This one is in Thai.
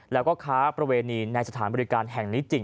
แล้วก็ค้าประเวณีในสถานบริการแห่งนี้จริง